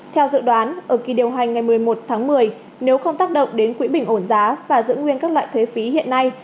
theo dự đoán ở kỳ điều hành ngày một mươi một tháng một mươi nếu không tác động đến quỹ bình ổn giá và giữ nguyên các loại thuế phí hiện nay